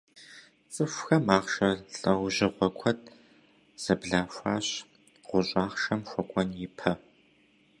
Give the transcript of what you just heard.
Цӏыхухэм «ахъшэ» лӏэужьыгъуэ куэд зэблахъуащ гъущӏ ахъшэм хуэкӏуэн ипэ.